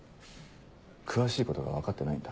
詳しいことが分かってないんだ。